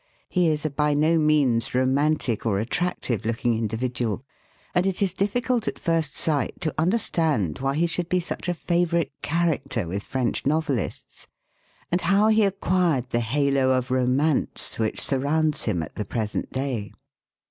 He is a by no means romantic or attractive looking individual, and it is difficult at first sight to understand why he should be such a favourite character with French novelists, and how he acquired the halo of ro mance which surrounds him at the present day.